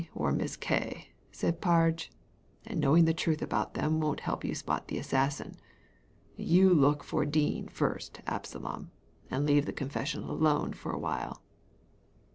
or Miss K./' said PargCy ''and knowing the truth about them won't help you to spot the assassin. You look for Dean first, Absalom, and leave the confession alone for a whfle."